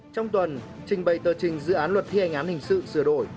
trong tuần trình bày tờ trình dự án luật thi hành án hình sự sửa đổi